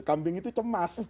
kambing itu cemas